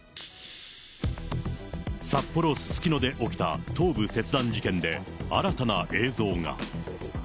札幌・すすきので起きた頭部切断事件で、新たな映像が。